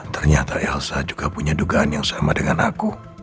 ternyata elsa juga punya dugaan yang sama dengan aku